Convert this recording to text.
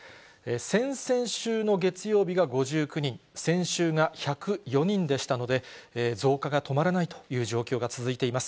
先々週の月曜日が５９人、先週が１０４人でしたので、増加が止まらないという状況が続いています。